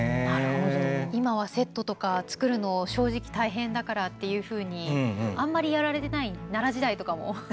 今はセットとか作るのが正直大変だからっていうふうにあんまりやられてない奈良時代とかも。